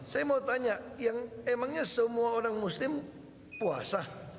saya mau tanya yang emangnya semua orang muslim puasa